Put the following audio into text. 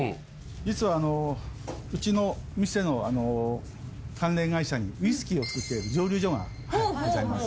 実はうちの店の関連会社にウイスキーを造ってる蒸留所がございます。